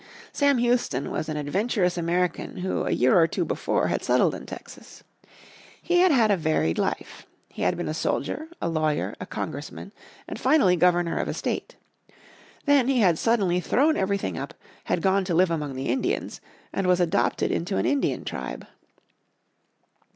Sam Houston was an adventurous American who a year or two before had settled in Texas. He had had a varied life. He had been a soldier, a lawyer, a Congressman, and finally Governor of a state. Then he had suddenly thrown everything up, had gone to live among the Indians, and was adopted into an Indian tribe.